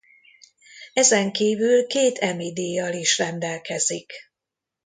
Ezenkívül két Emmy-díjjal is rendelkezik.